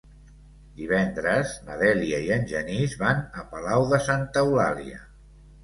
Divendres na Dèlia i en Genís van a Palau de Santa Eulàlia.